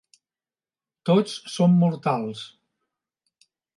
Tots som mortals.